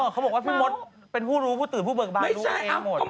เขาบอกว่าพี่มดเป็นผู้รู้ผู้ตื่นผู้เบิกบานรู้ตัวเองหมด